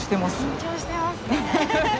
緊張してますね。